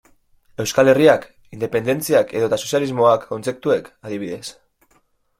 Euskal Herriak, independentziak edota sozialismoak kontzeptuek, adibidez.